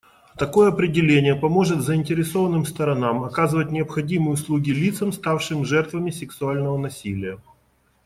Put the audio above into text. Такое определение поможет заинтересованным сторонам оказывать необходимые услуги лицам, ставшим жертвами сексуального насилия.